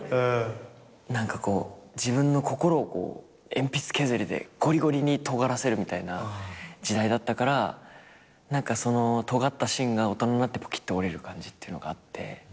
自分の心を鉛筆削りでゴリゴリにとがらせるみたいな時代だったから何かそのとがった芯が大人になってポキッと折れる感じっていうのがあって。